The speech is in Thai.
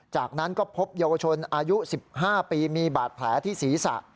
จากนั้นก็พบเยาวชนอายุ๑๕ปีมีบาดแผลที่ศีรษะ